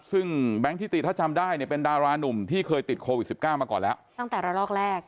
ซึ่งแบงค์ทิติถ้าจำได้เนี่ยเป็นดารานุ่มที่เคยติดโควิดสิบเก้ามาก่อนแล้วตั้งแต่ระลอกแรก